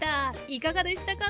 いかがでしたか？